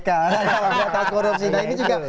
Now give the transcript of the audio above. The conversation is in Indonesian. kalau kata korupsi nah ini juga